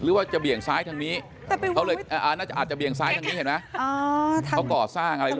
หรือว่าจะบียงซ้ายทางนี้เขากอร์สร้างอะไร